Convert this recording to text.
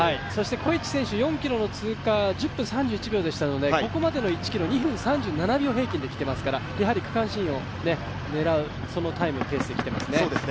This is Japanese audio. コエチ選手、４ｋｍの通過１０分３１秒でしたのでここまでの１ｋｍ２分３７秒平均できてますからやはり区間新を狙う、そのタイムのペースで来ていますね。